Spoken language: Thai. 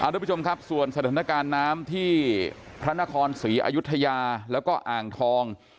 ทุกผู้ชมครับส่วนสถานการณ์น้ำที่พระนครศรีอยุธยาแล้วก็อ่างทอง